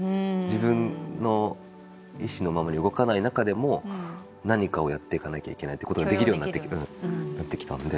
自分の意思のままに動かない中でも何かをやっていかなきゃいけないって事ができるようになってきたので。